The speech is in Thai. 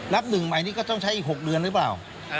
นับหนึ่งใหม่นี่ก็ต้องใช้อีก๖เดือนหรือเปล่า